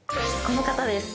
この方です